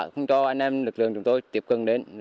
không cho anh em lực lượng chúng tôi tiếp cận đến